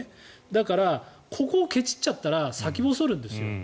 だから、ここをけちっちゃったら先細るんですよ。